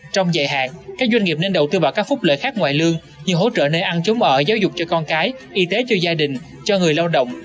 trong dài hạn các doanh nghiệp nên đầu tư vào các phúc lợi khác ngoại lương như hỗ trợ nơi ăn trốn ở giáo dục cho con cái y tế cho gia đình cho người lao động